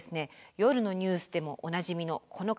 夜のニュースでもおなじみのこの方